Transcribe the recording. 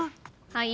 はい。